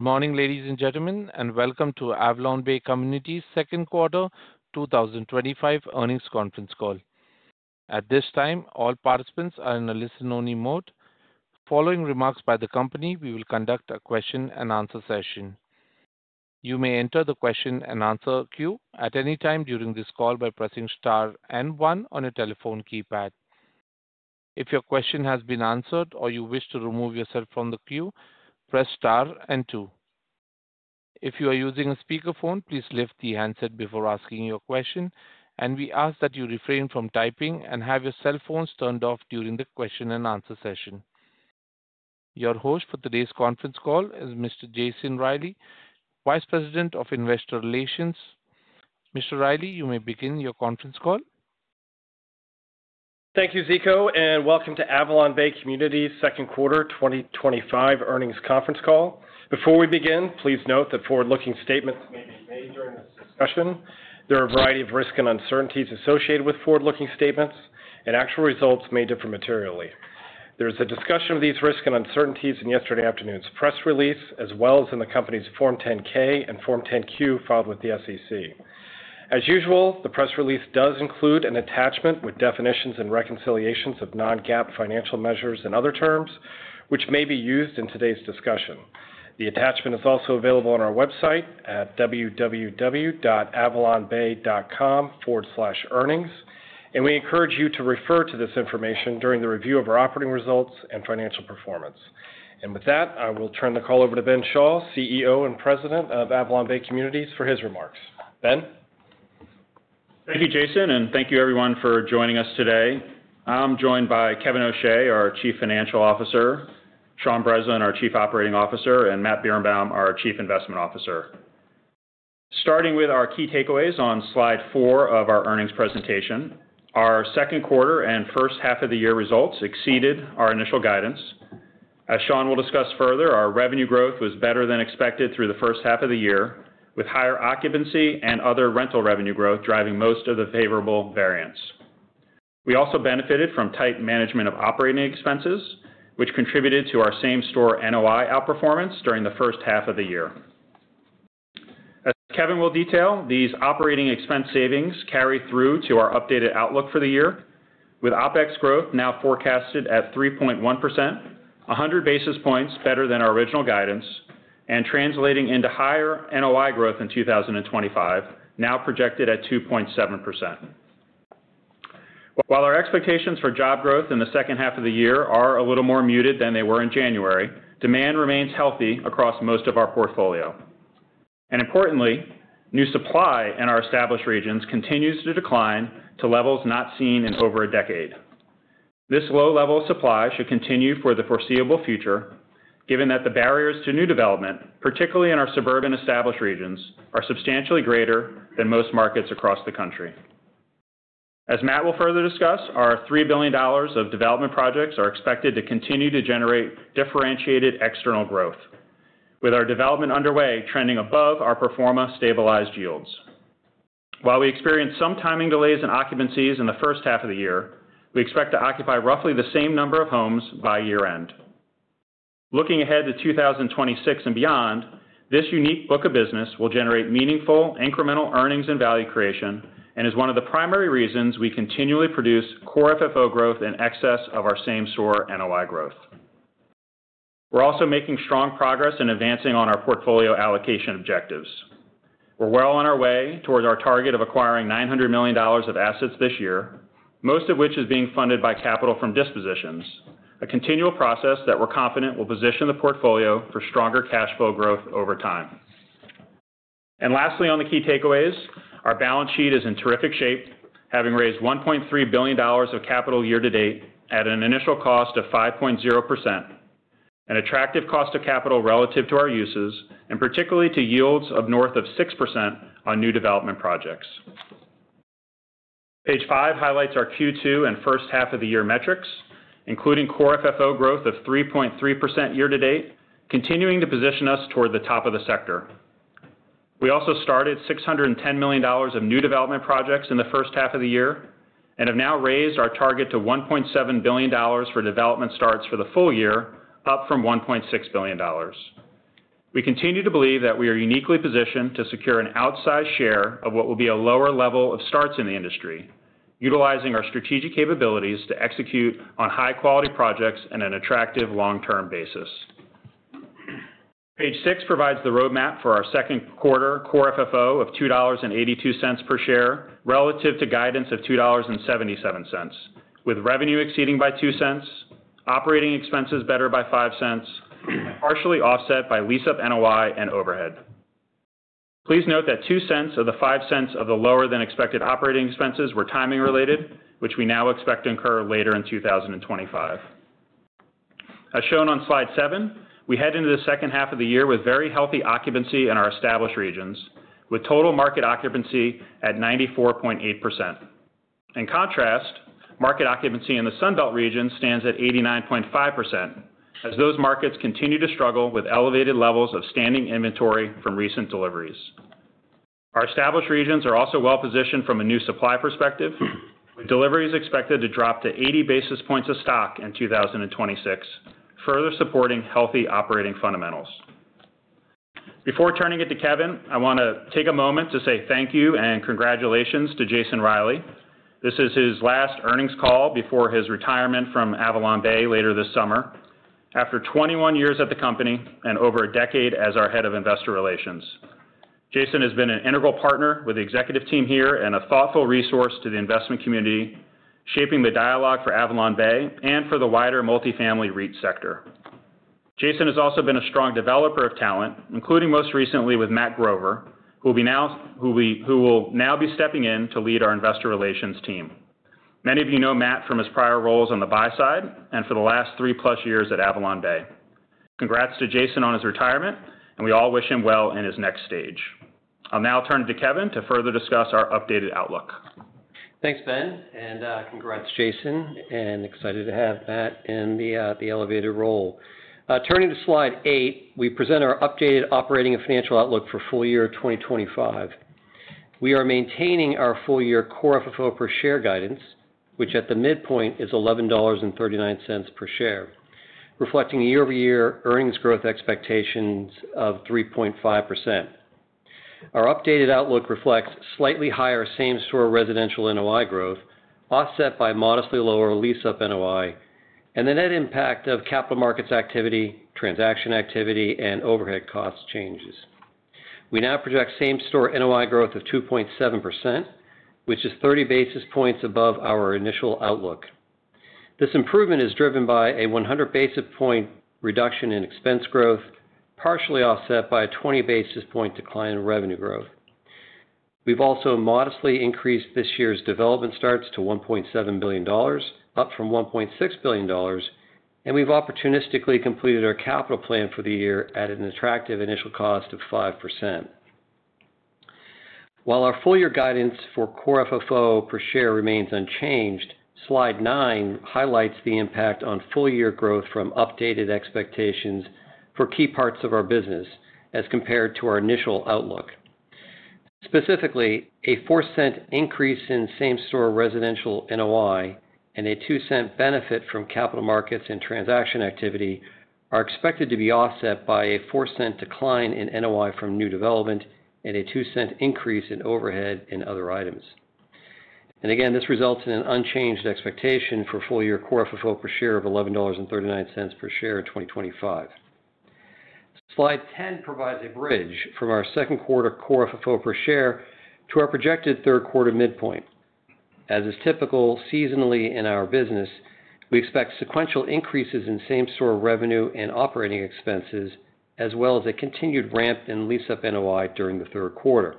Good morning, ladies and gentlemen, and welcome to AvalonBay Communities' second quarter 2025 earnings conference call. At this time, all participants are in a listen-only mode. Following remarks by the company, we will conduct a question-and-answer session. You may enter the question-and-answer queue at any time during this call by pressing star and one on your telephone keypad. If your question has been answered or you wish to remove yourself from the queue, press star and two. If you are using a speakerphone, please lift the handset before asking your question, and we ask that you refrain from typing and have your cell phones turned off during the question-and-answer session. Your host for today's conference call is Mr. Jason Reilley, Vice President of Investor Relations. Mr. Reilley, you may begin your conference call. Thank you, Zeko, and welcome to AvalonBay Communities' second quarter 2025 earnings conference call. Before we begin, please note that forward-looking statements may be made during this discussion. There are a variety of risks and uncertainties associated with forward-looking statements, and actual results may differ materially. There is a discussion of these risks and uncertainties in yesterday afternoon's press release, as well as in the company's Form 10-K and Form 10-Q filed with the SEC. As usual, the press release does include an attachment with definitions and reconciliations of non-GAAP financial measures and other terms, which may be used in today's discussion. The attachment is also available on our website at www.avalonbay.com/earnings, and we encourage you to refer to this information during the review of our operating results and financial performance. With that, I will turn the call over to Ben Schall, CEO and President of AvalonBay Communities, for his remarks. Ben. Thank you, Jason, and thank you, everyone, for joining us today. I'm joined by Kevin O’Shea, our Chief Financial Officer, Sean Breslin, our Chief Operating Officer, and Matt Birenbaum, our Chief Investment Officer. Starting with our key takeaways on slide four of our earnings presentation, our second quarter and first half of the year results exceeded our initial guidance. As Sean will discuss further, our revenue growth was better than expected through the first half of the year, with higher occupancy and other rental revenue growth driving most of the favorable variance. We also benefited from tight management of operating expenses, which contributed to our same-store NOI outperformance during the first half of the year. As Kevin will detail, these operating expense savings carry through to our updated outlook for the year, with OpEx growth now forecasted at 3.1%, 100 basis points better than our original guidance, and translating into higher NOI growth in 2025, now projected at 2.7%. While our expectations for job growth in the second half of the year are a little more muted than they were in January, demand remains healthy across most of our portfolio. Importantly, new supply in our established regions continues to decline to levels not seen in over a decade. This low-level supply should continue for the foreseeable future, given that the barriers to new development, particularly in our suburban established regions, are substantially greater than most markets across the country. As Matt will further discuss, our $3 billion of development projects are expected to continue to generate differentiated external growth, with our development underway trending above our pro forma stabilized yields. While we experience some timing delays in occupancies in the first half of the year, we expect to occupy roughly the same number of homes by year-end. Looking ahead to 2026 and beyond, this unique book of business will generate meaningful incremental earnings and value creation and is one of the primary reasons we continually produce core FFO growth in excess of our same-store NOI growth. We're also making strong progress in advancing on our portfolio allocation objectives. We're well on our way towards our target of acquiring $900 million of assets this year, most of which is being funded by capital from dispositions, a continual process that we're confident will position the portfolio for stronger cash flow growth over time. Lastly, on the key takeaways, our balance sheet is in terrific shape, having raised $1.3 billion of capital year to date at an initial cost of 5.0%. An attractive cost of capital relative to our uses, and particularly to yields of north of 6% on new development projects. Page five highlights our Q2 and first half of the year metrics, including core FFO growth of 3.3% year to date, continuing to position us toward the top of the sector. We also started $610 million of new development projects in the first half of the year and have now raised our target to $1.7 billion for development starts for the full year, up from $1.6 billion. We continue to believe that we are uniquely positioned to secure an outsized share of what will be a lower level of starts in the industry, utilizing our strategic capabilities to execute on high-quality projects on an attractive long-term basis. Page six provides the roadmap for our second quarter core FFO of $2.82 per share relative to guidance of $2.77, with revenue exceeding by $0.02, operating expenses better by $0.05, partially offset by lease-up NOI and overhead. Please note that $0.02 of the $0.05 of the lower-than-expected operating expenses were timing-related, which we now expect to incur later in 2025. As shown on slide seven, we head into the second half of the year with very healthy occupancy in our established regions, with total market occupancy at 94.8%. In contrast, market occupancy in the Sun Belt region stands at 89.5%, as those markets continue to struggle with elevated levels of standing inventory from recent deliveries. Our established regions are also well-positioned from a new supply perspective, with deliveries expected to drop to 80 basis points of stock in 2026, further supporting healthy operating fundamentals. Before turning it to Kevin, I want to take a moment to say thank you and congratulations to Jason Reilley. This is his last earnings call before his retirement from AvalonBay later this summer, after 21 years at the company and over a decade as our Head of Investor Relations. Jason has been an integral partner with the executive team here and a thoughtful resource to the investment community, shaping the dialogue for AvalonBay and for the wider multifamily REIT sector. Jason has also been a strong developer of talent, including most recently with Matt Grover, who will now be stepping in to lead our Investor Relations team. Many of you know Matt from his prior roles on the buy side and for the last three-plus years at AvalonBay. Congrats to Jason on his retirement, and we all wish him well in his next stage. I'll now turn to Kevin to further discuss our updated outlook. Thanks, Ben, and congrats, Jason, and excited to have Matt in the elevated role. Turning to slide eight, we present our updated operating and financial outlook for full year 2025. We are maintaining our full-year core FFO per share guidance, which at the midpoint is $11.39 per share, reflecting year-over-year earnings growth expectations of 3.5%. Our updated outlook reflects slightly higher same-store residential NOI growth, offset by modestly lower lease-up NOI, and the net impact of capital markets activity, transaction activity, and overhead cost changes. We now project same-store NOI growth of 2.7%, which is 30 basis points above our initial outlook. This improvement is driven by a 100 basis point reduction in expense growth, partially offset by a 20 basis point decline in revenue growth. We've also modestly increased this year's development starts to $1.7 billion, up from $1.6 billion, and we've opportunistically completed our capital plan for the year at an attractive initial cost of 5%. While our full-year guidance for core FFO per share remains unchanged, slide nine highlights the impact on full-year growth from updated expectations for key parts of our business as compared to our initial outlook. Specifically, a $0.04 increase in same-store residential NOI and a $0.02 benefit from capital markets and transaction activity are expected to be offset by a $0.04 decline in NOI from new development and a $0.02 increase in overhead and other items. This results in an unchanged expectation for full-year core FFO per share of $11.39 per share in 2025. Slide 10 provides a bridge from our second quarter core FFO per share to our projected third quarter midpoint. As is typical seasonally in our business, we expect sequential increases in same-store revenue and operating expenses, as well as a continued ramp in lease-up NOI during the third quarter.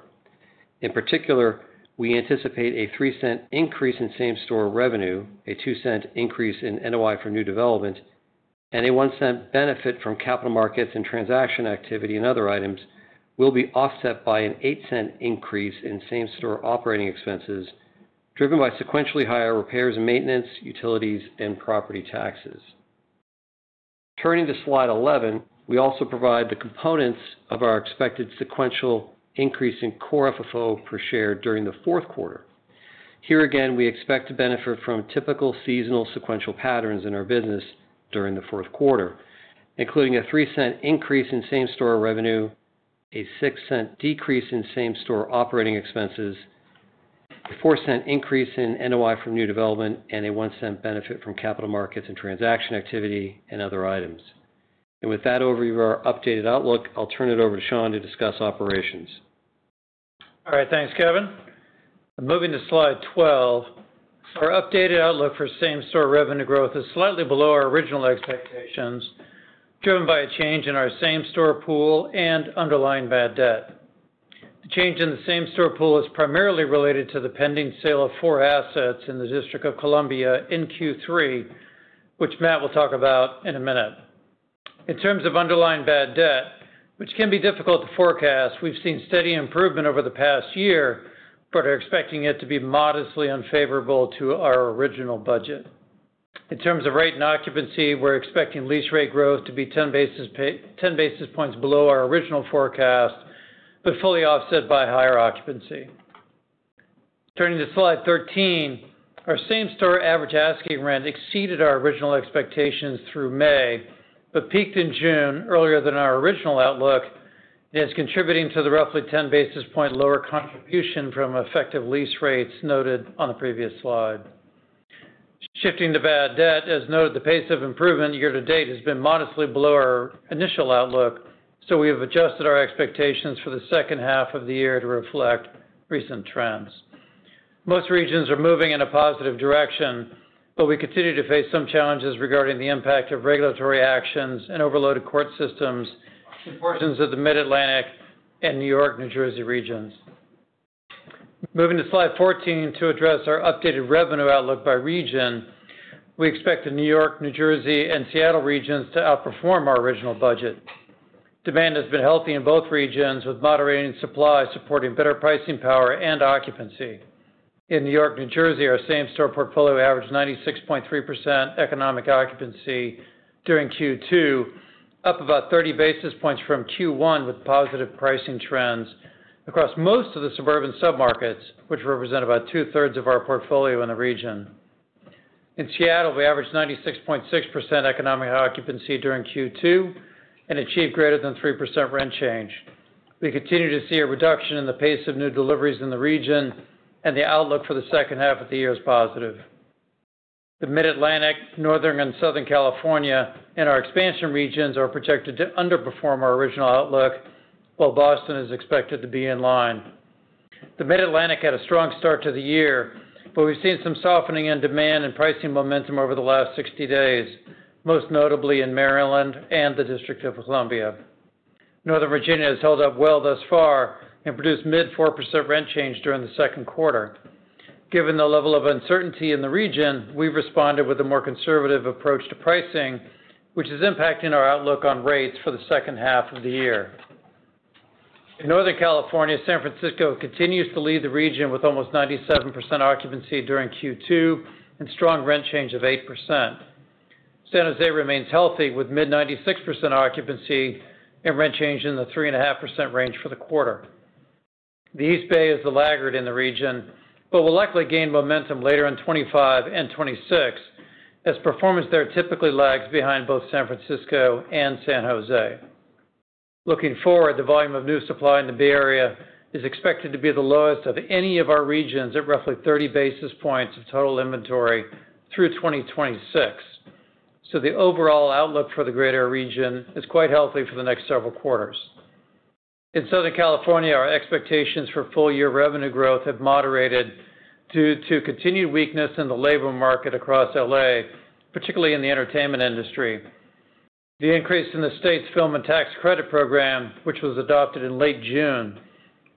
In particular, we anticipate a $0.03 increase in same-store revenue, a $0.02 increase in NOI from new development, and a $0.01 benefit from capital markets and transaction activity and other items will be offset by a $0.08 increase in same-store operating expenses driven by sequentially higher repairs and maintenance, utilities, and property taxes. Turning to slide 11, we also provide the components of our expected sequential increase in core FFO per share during the fourth quarter. Here again, we expect to benefit from typical seasonal sequential patterns in our business during the fourth quarter, including a $0.03 increase in same-store revenue, a $0.06 decrease in same-store operating expenses, a $0.04 increase in NOI from new development, and a $0.01 benefit from capital markets and transaction activity and other items. With that overview of our updated outlook, I'll turn it over to Sean to discuss operations. All right, thanks, Kevin. Moving to slide 12. Our updated outlook for same-store revenue growth is slightly below our original expectations, driven by a change in our same-store pool and underlying bad debt. The change in the same-store pool is primarily related to the pending sale of four assets in the District of Columbia in Q3, which Matt will talk about in a minute. In terms of underlying bad debt, which can be difficult to forecast, we've seen steady improvement over the past year, but are expecting it to be modestly unfavorable to our original budget. In terms of rate and occupancy, we're expecting lease rate growth to be 10 basis points below our original forecast, but fully offset by higher occupancy. Turning to slide 13, our same-store average asking rent exceeded our original expectations through May, but peaked in June earlier than our original outlook, and is contributing to the roughly 10 basis point lower contribution from effective lease rates noted on the previous slide. Shifting to bad debt, as noted, the pace of improvement year to date has been modestly below our initial outlook, so we have adjusted our expectations for the second half of the year to reflect recent trends. Most regions are moving in a positive direction, but we continue to face some challenges regarding the impact of regulatory actions and overloaded court systems in portions of the Mid-Atlantic and New York and New Jersey regions. Moving to slide 14 to address our updated revenue outlook by region. We expect the New York and New Jersey and Seattle regions to outperform our original budget. Demand has been healthy in both regions, with moderating supply supporting better pricing power and occupancy. In New York and New Jersey, our same-store portfolio averaged 96.3% economic occupancy during Q2, up about 30 basis points from Q1 with positive pricing trends across most of the suburban submarkets, which represent about 2/3 of our portfolio in the region. In Seattle, we averaged 96.6% economic occupancy during Q2 and achieved greater than 3% rent change. We continue to see a reduction in the pace of new deliveries in the region, and the outlook for the second half of the year is positive. The Mid-Atlantic, Northern, and Southern California in our expansion regions are projected to underperform our original outlook, while Boston is expected to be in line. The Mid-Atlantic had a strong start to the year, but we've seen some softening in demand and pricing momentum over the last 60 days, most notably in Maryland and the District of Columbia. Northern Virginia has held up well thus far and produced mid-4% rent change during the second quarter. Given the level of uncertainty in the region, we've responded with a more conservative approach to pricing, which is impacting our outlook on rates for the second half of the year. In Northern California, San Francisco continues to lead the region with almost 97% occupancy during Q2 and strong rent change of 8%. San Jose remains healthy with mid-96% occupancy and rent change in the 3.5% range for the quarter. The East Bay is the laggard in the region, but will likely gain momentum later in 2025 and 2026, as performance there typically lags behind both San Francisco and San Jose. Looking forward, the volume of new supply in the Bay Area is expected to be the lowest of any of our regions at roughly 30 basis points of total inventory through 2026. The overall outlook for the greater region is quite healthy for the next several quarters. In Southern California, our expectations for full-year revenue growth have moderated due to continued weakness in the labor market across L.A., particularly in the entertainment industry. The increase in the state's film and tax credit program, which was adopted in late June,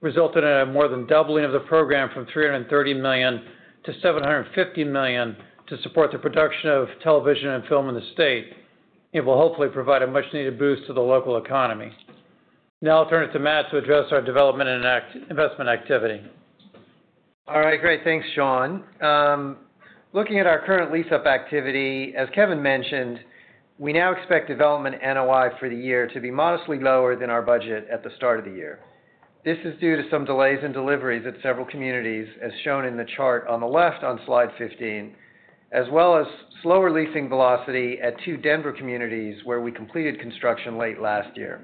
resulted in a more than doubling of the program from $330 million-$750 million to support the production of television and film in the state, and will hopefully provide a much-needed boost to the local economy. Now I'll turn it to Matt to address our development and investment activity. All right, great. Thanks, Sean. Looking at our current lease-up activity, as Kevin mentioned, we now expect development NOI for the year to be modestly lower than our budget at the start of the year. This is due to some delays in deliveries at several communities, as shown in the chart on the left on slide 15, as well as slower leasing velocity at two Denver communities where we completed construction late last year.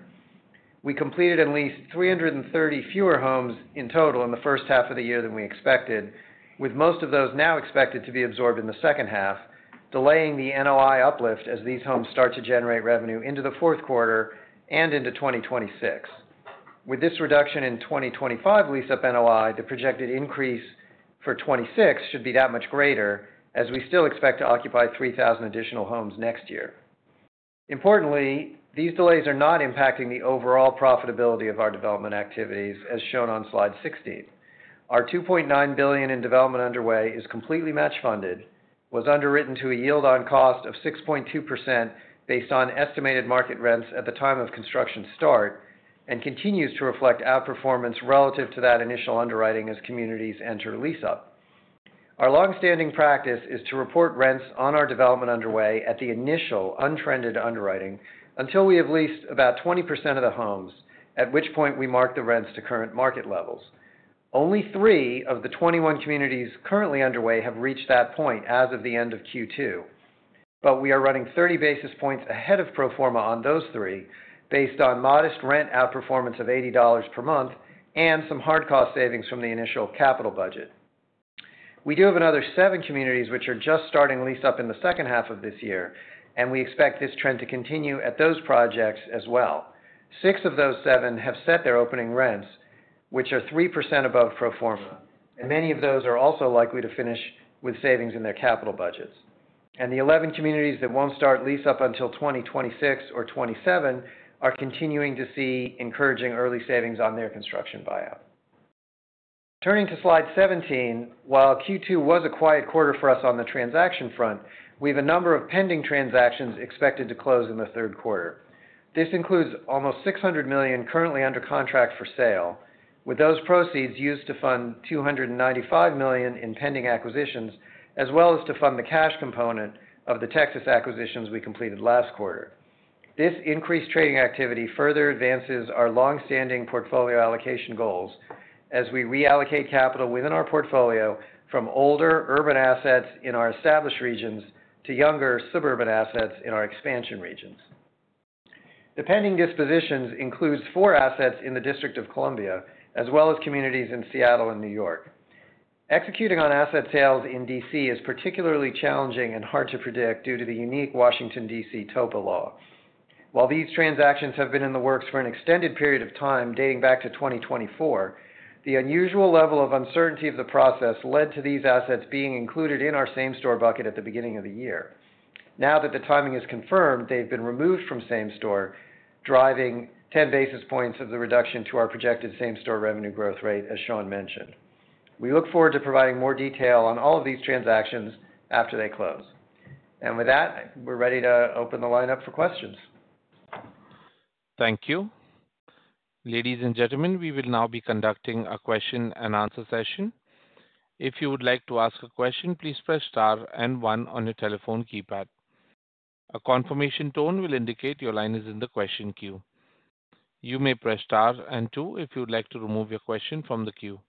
We completed and leased 330 fewer homes in total in the first half of the year than we expected, with most of those now expected to be absorbed in the second half, delaying the NOI uplift as these homes start to generate revenue into the fourth quarter and into 2026. With this reduction in 2025 lease-up NOI, the projected increase for 2026 should be that much greater, as we still expect to occupy 3,000 additional homes next year. Importantly, these delays are not impacting the overall profitability of our development activities, as shown on slide 16. Our $2.9 billion in development underway is completely match funded, was underwritten to a yield on cost of 6.2% based on estimated market rents at the time of construction start, and continues to reflect outperformance relative to that initial underwriting as communities enter lease-up. Our longstanding practice is to report rents on our development underway at the initial untrended underwriting until we have leased about 20% of the homes, at which point we mark the rents to current market levels. Only three of the 21 communities currently underway have reached that point as of the end of Q2, but we are running 30 basis points ahead of pro forma on those three based on modest rent outperformance of $80 per month and some hard cost savings from the initial capital budget. We do have another seven communities which are just starting lease-up in the second half of this year, and we expect this trend to continue at those projects as well. Six of those seven have set their opening rents, which are 3% above pro forma, and many of those are also likely to finish with savings in their capital budgets. The 11 communities that won't start lease-up until 2026 or 2027 are continuing to see encouraging early savings on their construction buyout. Turning to slide 17, while Q2 was a quiet quarter for us on the transaction front, we have a number of pending transactions expected to close in the third quarter. This includes almost $600 million currently under contract for sale, with those proceeds used to fund $295 million in pending acquisitions, as well as to fund the cash component of the Texas acquisitions we completed last quarter. This increased trading activity further advances our longstanding portfolio allocation goals as we reallocate capital within our portfolio from older urban assets in our established regions to younger suburban assets in our expansion regions. The pending dispositions include four assets in the District of Columbia, as well as communities in Seattle and New York. Executing on asset sales in D.C. is particularly challenging and hard to predict due to the unique Washington, D.C. TOPA law. While these transactions have been in the works for an extended period of time dating back to 2024, the unusual level of uncertainty of the process led to these assets being included in our same-store bucket at the beginning of the year. Now that the timing is confirmed, they've been removed from same-store, driving 10 basis points of the reduction to our projected same-store revenue growth rate, as Sean mentioned. We look forward to providing more detail on all of these transactions after they close. With that, we're ready to open the lineup for questions. Thank you. Ladies and gentlemen, we will now be conducting a question-and-answer session. If you would like to ask a question, please press star and one on your telephone keypad. A confirmation tone will indicate your line is in the question queue. You may press star and two if you would like to remove your question from the queue.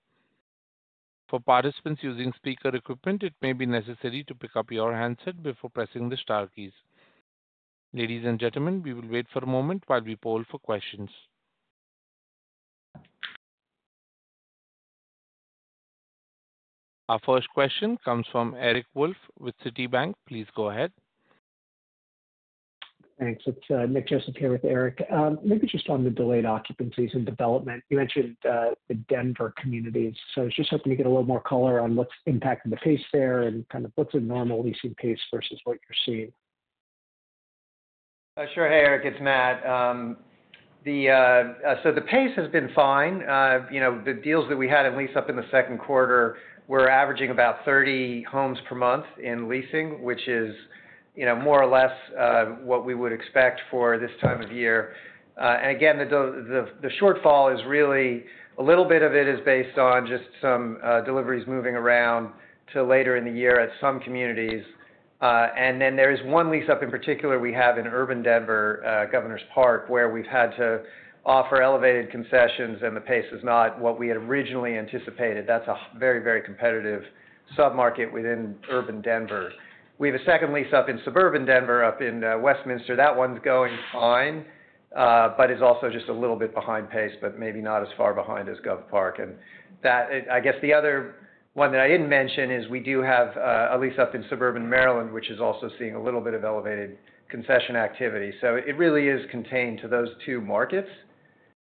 For participants using speaker equipment, it may be necessary to pick up your handset before pressing the star keys. Ladies and gentlemen, we will wait for a moment while we poll for questions. Our first question comes from Eric Wolfe with Citibank. Please go ahead. Thanks. It's Nick Joseph here with Eric. Maybe just on the delayed occupancies and development, you mentioned the Denver communities. I was just hoping to get a little more color on what's impacting the pace there and kind of what's a normal leasing pace versus what you're seeing. Sure. Hey, Eric. It's Matt. The pace has been fine. The deals that we had in lease-up in the second quarter were averaging about 30 homes per month in leasing, which is more or less what we would expect for this time of year. The shortfall is really a little bit of it based on just some deliveries moving around to later in the year at some communities. There is one lease-up in particular we have in urban Denver, Governor's Park, where we've had to offer elevated concessions, and the pace is not what we had originally anticipated. That's a very, very competitive submarket within urban Denver. We have a second lease-up in suburban Denver up in Westminster. That one's going fine, but is also just a little bit behind pace, but maybe not as far behind as Governor's Park. The other one that I didn't mention is we do have a lease-up in suburban Maryland, which is also seeing a little bit of elevated concession activity. It really is contained to those two markets.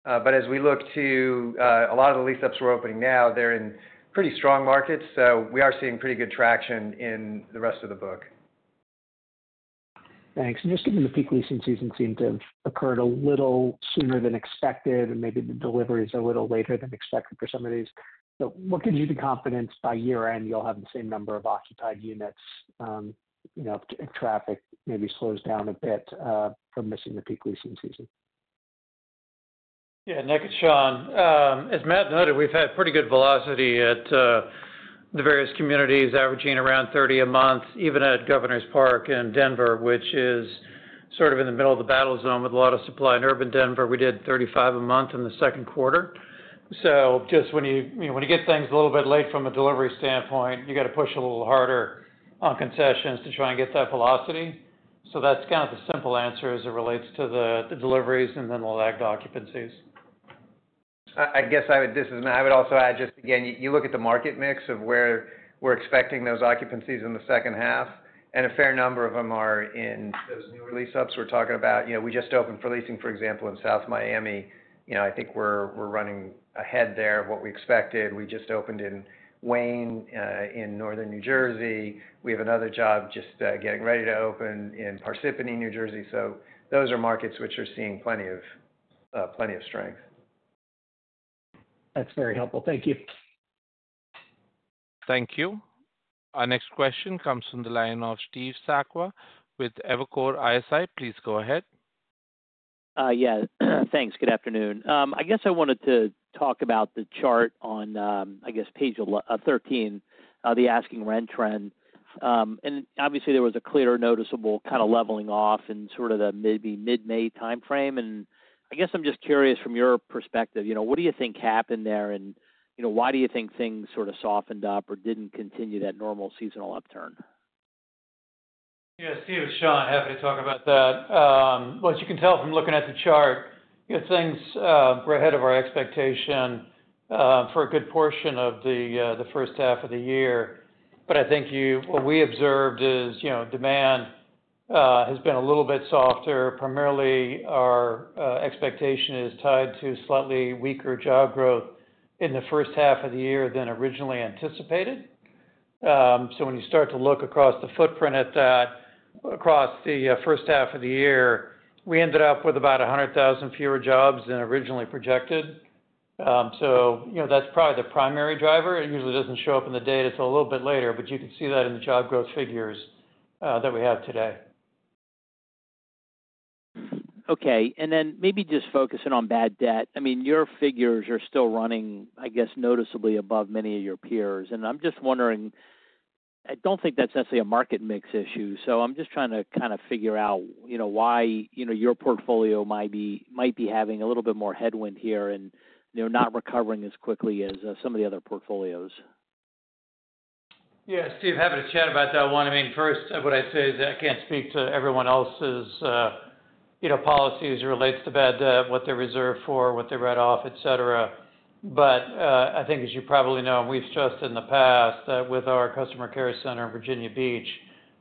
As we look to a lot of the lease-ups we're opening now, they're in pretty strong markets. We are seeing pretty good traction in the rest of the book. Thanks. Given the peak leasing season seemed to have occurred a little sooner than expected, and maybe the delivery is a little later than expected for some of these, what gives you the confidence by year-end you'll have the same number of occupied units if traffic maybe slows down a bit from missing the peak leasing season? Yeah. Nick, Sean, as Matt noted, we've had pretty good velocity at the various communities, averaging around 30 a month, even at Governor's Park in Denver, which is sort of in the middle of the battle zone with a lot of supply in urban Denver. We did 35 a month in the second quarter. When you get things a little bit late from a delivery standpoint, you got to push a little harder on concessions to try and get that velocity. That's kind of the simple answer as it relates to the deliveries and then the lagged occupancies. I guess this is Matt, I would also add just, again, you look at the market mix of where we're expecting those occupancies in the second half, and a fair number of them are in those newer lease-ups we're talking about. We just opened for leasing, for example, in South Miami. I think we're running ahead there of what we expected. We just opened in Wayne in northern New Jersey. We have another job just getting ready to open in Parsippany, New Jersey. Those are markets which are seeing plenty of strength. That's very helpful. Thank you. Thank you. Our next question comes from the line of Steve Sackwa with Evercore ISI. Please go ahead. Thanks. Good afternoon. I wanted to talk about the chart on page 13, the asking rent trend. Obviously, there was a clear, noticeable kind of leveling off in the maybe mid-May timeframe. I'm just curious from your perspective, what do you think happened there, and why do you think things sort of softened up or didn't continue that normal seasonal upturn? Yeah. Steve, it's Sean, happy to talk about that. As you can tell from looking at the chart, things were ahead of our expectation for a good portion of the first half of the year. I think what we observed is demand has been a little bit softer. Primarily, our expectation is tied to slightly weaker job growth in the first half of the year than originally anticipated. When you start to look across the footprint at that across the first half of the year, we ended up with about 100,000 fewer jobs than originally projected. That's probably the primary driver. It usually doesn't show up in the data. It's a little bit later, but you can see that in the job growth figures that we have today. Okay. Maybe just focusing on bad debt. Your figures are still running, I guess, noticeably above many of your peers. I'm just wondering. I don't think that's necessarily a market mix issue. I'm just trying to kind of figure out why your portfolio might be having a little bit more headwind here and not recovering as quickly as some of the other portfolios. Yeah. Steve, happy to chat about that one. First, what I say is that I can't speak to everyone else's policies as it relates to bad debt, what they reserve for, what they write off, etc. I think, as you probably know, and we've stressed in the past, that with our customer care center in Virginia Beach,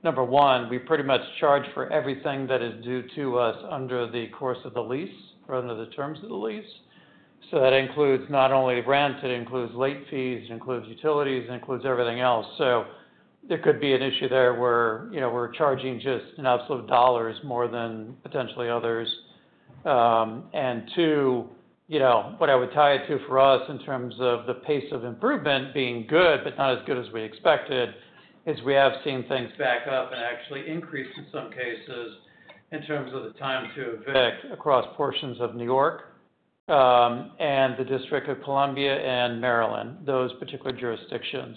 number one, we pretty much charge for everything that is due to us under the course of the lease or under the terms of the lease. That includes not only the rent, it includes late fees, it includes utilities, it includes everything else. There could be an issue there where we're charging just in absolute dollars more than potentially others. What I would tie it to for us in terms of the pace of improvement being good, but not as good as we expected, is we have seen things back up and actually increase in some cases in terms of the time to evict across portions of New York, the District of Columbia, and Maryland, those particular jurisdictions.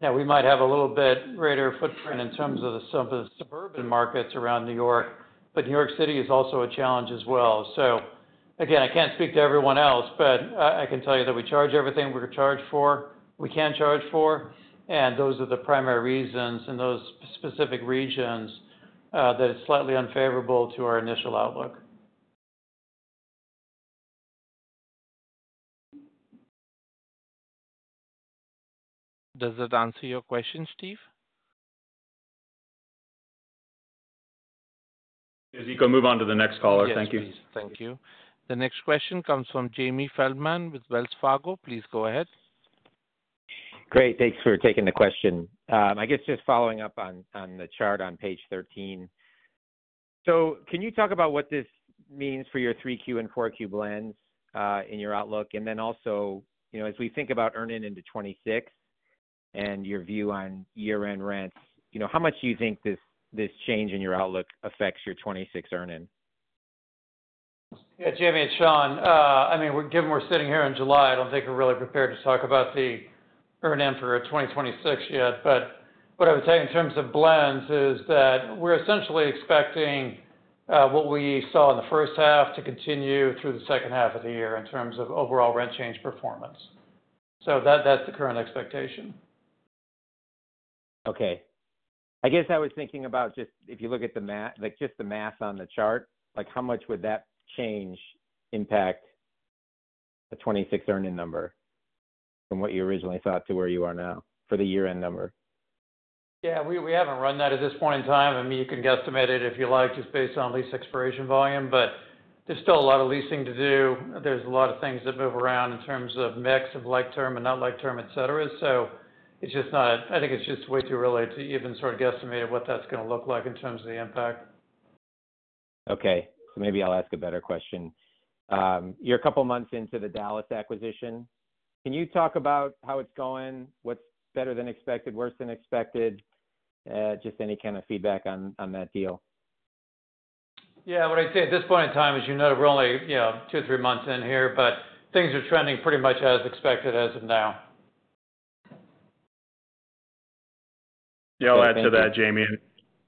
We might have a little bit greater footprint in terms of the suburban markets around New York, but New York City is also a challenge as well. I can't speak to everyone else, but I can tell you that we charge everything we can charge for, and those are the primary reasons in those specific regions that it's slightly unfavorable to our initial outlook. Does that answer your question, Steve? You can move on to the next caller. Thank you. Thank you. The next question comes from Jamie Feldman with Wells Fargo. Please go ahead. Great. Thanks for taking the question. I guess just following up on the chart on page 13, can you talk about what this means for your 3Q and 4Q blends in your outlook? Also, as we think about earning into 2026 and your view on year-end rents, how much do you think this change in your outlook affects your 2026 earning? Yeah. Jamie, it's Sean, I mean, given we're sitting here in July, I don't think we're really prepared to talk about the earnings for 2026 yet. What I would say in terms of blends is that we're essentially expecting what we saw in the first half to continue through the second half of the year in terms of overall rent change performance. That's the current expectation. Okay. I guess I was thinking about just if you look at just the math on the chart, how much would that change impact the 2026 earning number from what you originally thought to where you are now for the year-end number? Yeah. We haven't run that at this point in time. I mean, you can guesstimate it if you like just based on lease expiration volume. There's still a lot of leasing to do. There are a lot of things that move around in terms of mix of like term and not like term, etc. It's just not a—I think it's just way too early to even sort of guesstimate what that's going to look like in terms of the impact. Okay. Maybe I'll ask a better question. You're a couple of months into the Dallas acquisition. Can you talk about how it's going? What's better than expected, worse than expected? Just any kind of feedback on that deal. Yeah, what I'd say at this point in time is we're only two or three months in here, but things are trending pretty much as expected as of now. I'll add to that, Jamie.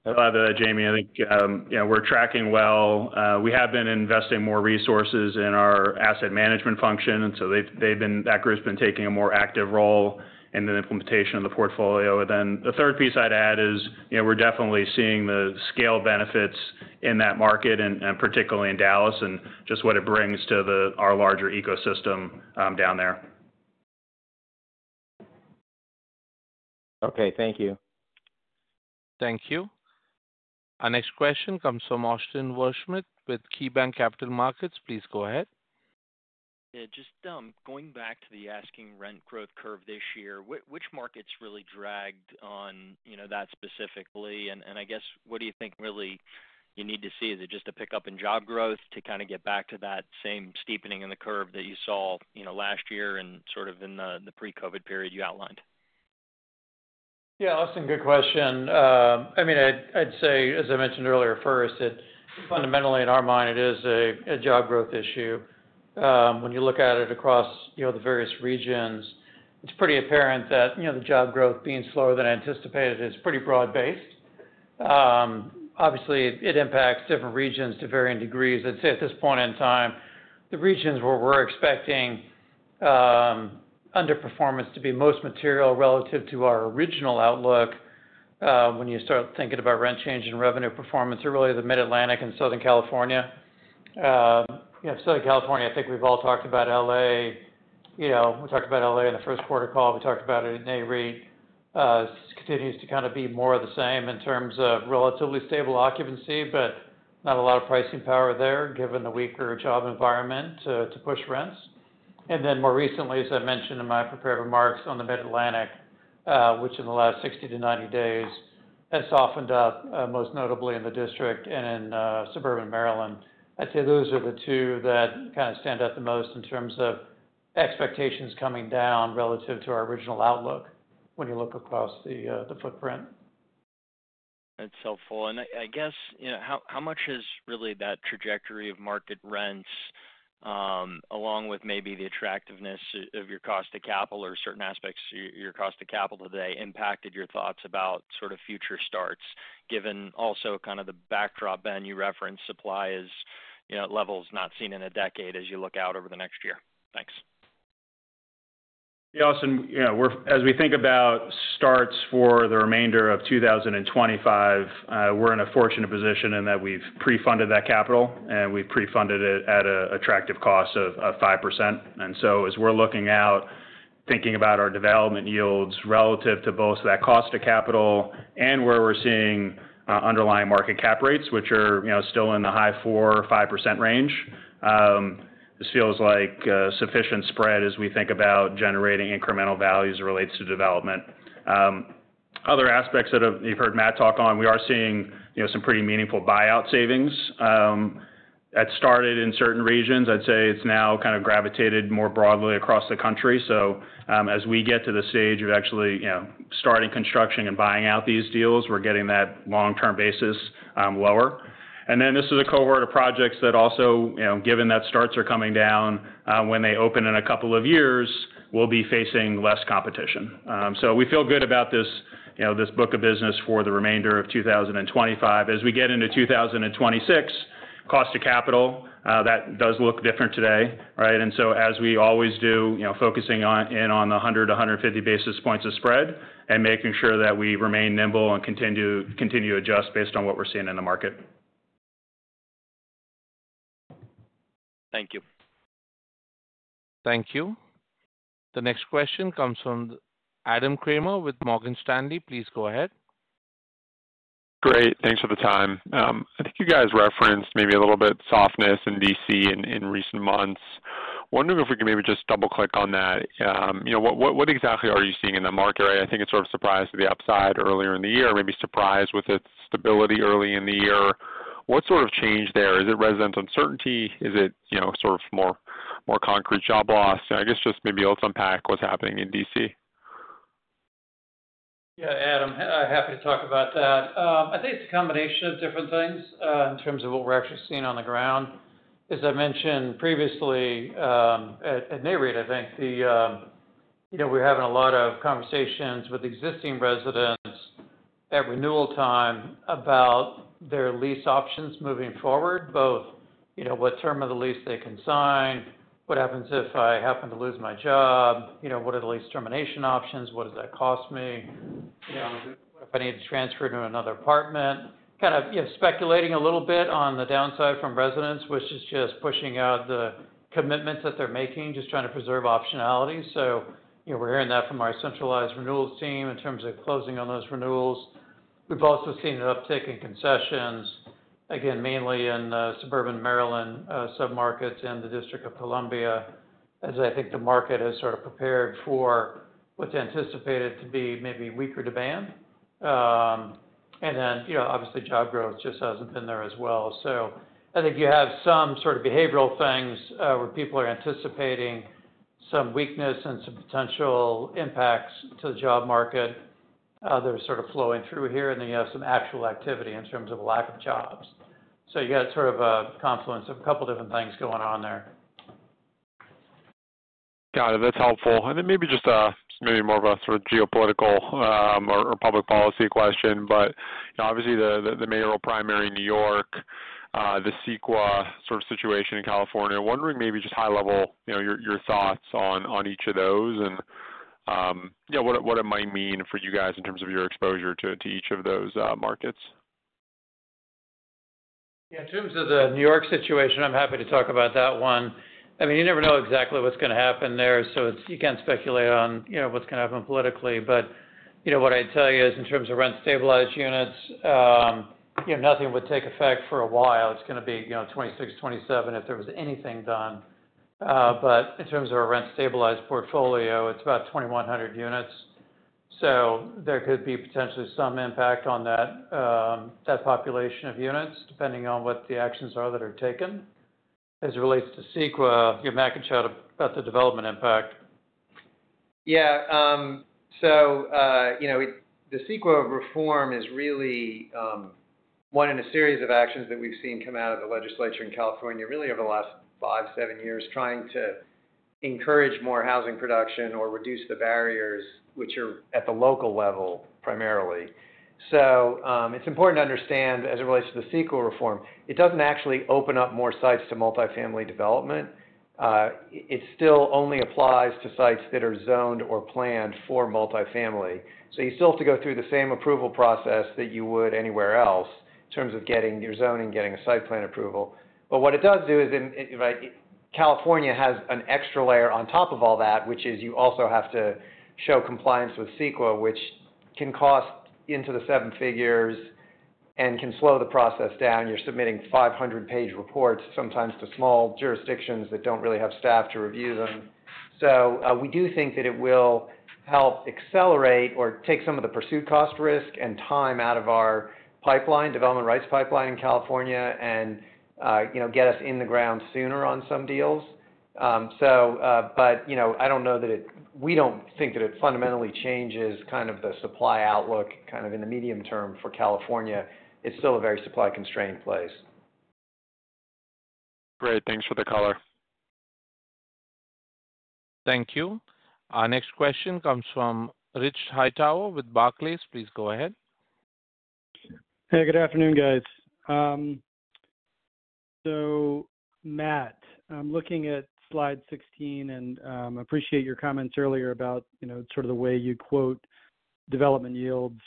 I think we're tracking well. We have been investing more resources in our asset management function, so that group's been taking a more active role in the implementation of the portfolio. The third piece I'd add is we're definitely seeing the scale benefits in that market, particularly in Dallas, and just what it brings to our larger ecosystem down there. Okay, thank you. Thank you. Our next question comes from Austin Wurschmidt with KeyBanc Capital Markets. Please go ahead. Yeah. Just going back to the asking rent growth curve this year, which markets really dragged on that specifically? What do you think really you need to see? Is it just a pickup in job growth to kind of get back to that same steepening in the curve that you saw last year and sort of in the pre-COVID period you outlined? Yeah. Austin, good question. I'd say, as I mentioned earlier first, that fundamentally in our mind, it is a job growth issue. When you look at it across the various regions, it's pretty apparent that the job growth being slower than anticipated is pretty broad-based. Obviously, it impacts different regions to varying degrees. I'd say at this point in time, the regions where we're expecting underperformance to be most material relative to our original outlook, when you start thinking about rent change and revenue performance, are really the Mid-Atlantic and Southern California. You have Southern California, I think we've all talked about L.A. We talked about L.A. in the first quarter call. We talked about it in May. Rate continues to kind of be more of the same in terms of relatively stable occupancy, but not a lot of pricing power there given the weaker job environment to push rents. More recently, as I mentioned in my prepared remarks on the Mid-Atlantic, which in the last 60-90 days has softened up most notably in the district and in suburban Maryland. I'd say those are the two that kind of stand out the most in terms of expectations coming down relative to our original outlook when you look across the footprint. That's helpful. I guess how much has really that trajectory of market rents, along with maybe the attractiveness of your cost of capital or certain aspects of your cost of capital today, impacted your thoughts about sort of future starts, given also kind of the backdrop, Ben, you referenced supply levels not seen in a decade as you look out over the next year. Thanks. Yeah. Austin, as we think about starts for the remainder of 2025, we're in a fortunate position in that we've pre-funded that capital, and we've pre-funded it at an attractive cost of 5%. As we're looking out, thinking about our development yields relative to both that cost of capital and where we're seeing underlying market cap rates, which are still in the high 4%, 5% range, this feels like sufficient spread as we think about generating incremental values as it relates to development. Other aspects that you've heard Matt talk on, we are seeing some pretty meaningful buyout savings. That started in certain regions. I'd say it's now kind of gravitated more broadly across the country. As we get to the stage of actually starting construction and buying out these deals, we're getting that long-term basis lower. This is a cohort of projects that also, given that starts are coming down when they open in a couple of years, will be facing less competition. We feel good about this book of business for the remainder of 2025. As we get into 2026, cost of capital, that does look different today, right? As we always do, focusing in on the 100-150 basis points of spread and making sure that we remain nimble and continue to adjust based on what we're seeing in the market. Thank you. Thank you. The next question comes from Adam Kramer with Morgan Stanley. Please go ahead. Great. Thanks for the time. I think you guys referenced maybe a little bit of softness in D.C. in recent months. Wondering if we could maybe just double-click on that. What exactly are you seeing in the market? I think it sort of surprised to the upside earlier in the year, maybe surprised with its stability early in the year. What sort of changed there? Is it residential uncertainty? Is it sort of more concrete job loss? I guess just maybe let's unpack what's happening in D.C. Yeah. Adam, happy to talk about that. I think it's a combination of different things in terms of what we're actually seeing on the ground. As I mentioned previously, at mid rate, I think we're having a lot of conversations with existing residents at renewal time about their lease options moving forward, both what term of the lease they can sign, what happens if I happen to lose my job, what are the lease termination options, what does that cost me, if I need to transfer to another apartment. Kind of speculating a little bit on the downside from residents, which is just pushing out the commitments that they're making, just trying to preserve optionality. We're hearing that from our centralized renewals team in terms of closing on those renewals. We've also seen an uptick in concessions, again, mainly in suburban Maryland submarkets and the District of Columbia, as I think the market has sort of prepared for what's anticipated to be maybe weaker demand. Obviously, job growth just hasn't been there as well. I think you have some sort of behavioral things where people are anticipating some weakness and some potential impacts to the job market that are sort of flowing through here. You have some actual activity in terms of a lack of jobs. You got sort of a confluence of a couple of different things going on there. Got it. That's helpful. Maybe just more of a sort of geopolitical or public policy question, but obviously the mayoral primary in New York, the CEQA sort of situation in California. Wondering maybe just high-level your thoughts on each of those and what it might mean for you guys in terms of your exposure to each of those markets. Yeah. In terms of the New York situation, I'm happy to talk about that one. I mean, you never know exactly what's going to happen there. You can't speculate on what's going to happen politically. What I'd tell you is in terms of rent-stabilized units, nothing would take effect for a while. It's going to be 2026, 2027 if there was anything done. In terms of our rent-stabilized portfolio, it's about 2,100 units. There could be potentially some impact on that population of units depending on what the actions are that are taken. As it relates to CEQA, you're making sure about the development impact. The CEQA reform is really one in a series of actions that we've seen come out of the legislature in California over the last five, seven years trying to encourage more housing production or reduce the barriers which are at the local level primarily. It's important to understand as it relates to the CEQA reform, it doesn't actually open up more sites to multifamily development. It still only applies to sites that are zoned or planned for multifamily. You still have to go through the same approval process that you would anywhere else in terms of getting your zoning, getting a site plan approval. What it does do is California has an extra layer on top of all that, which is you also have to show compliance with CEQA, which can cost into the seven figures and can slow the process down. You're submitting 500-page reports sometimes to small jurisdictions that don't really have staff to review them. We do think that it will help accelerate or take some of the pursuit cost risk and time out of our pipeline, development rights pipeline in California, and get us in the ground sooner on some deals. I don't know that it fundamentally changes the supply outlook in the medium term for California. It's still a very supply-constrained place. Great. Thanks for the color. Thank you. Our next question comes from Rich Hightower with Barclays. Please go ahead. Hey, good afternoon, guys. Matt, I'm looking at slide 16 and appreciate your comments earlier about sort of the way you quote development yields